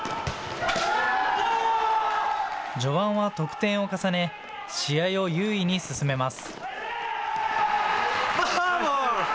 序盤は得点を重ね、試合を優位に進めます。